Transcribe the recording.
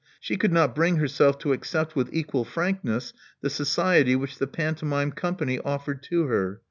She could not bring herself to accept with equal frankness the society which the pantomime company offered to her.